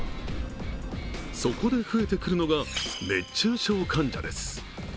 そこで増えてくるのが熱中症患者です。